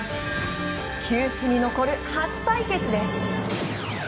球史に残る初対決です。